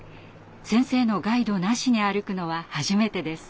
先生のガイドなしに歩くのは初めてです。